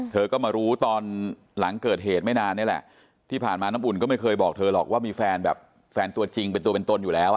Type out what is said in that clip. เธอก็มารู้ตอนหลังเกิดเหตุไม่นานนี่แหละที่ผ่านมาน้ำอุ่นก็ไม่เคยบอกเธอหรอกว่ามีแฟนแบบแฟนตัวจริงเป็นตัวเป็นตนอยู่แล้วอ่ะ